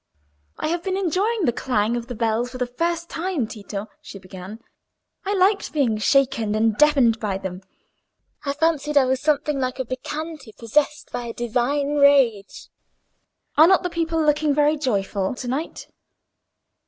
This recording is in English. "I have been enjoying the clang of the bells for the first time, Tito," she began. "I liked being shaken and deafened by them: I fancied I was something like a Bacchante possessed by a divine rage. Are not the people looking very joyful to night?"